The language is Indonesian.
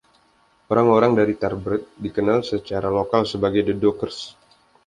Orang-orang dari Tarbert dikenal secara lokal sebagai “the Dookers”.